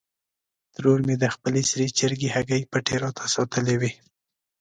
ترور مې د خپلې سرې چرګې هګۍ پټې راته ساتلې وې.